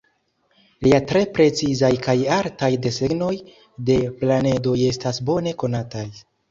Lia tre precizaj kaj artaj desegnoj de planedoj estas bone konataj.